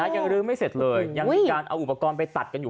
ยังลื้อไม่เสร็จเลยยังมีการเอาอุปกรณ์ไปตัดกันอยู่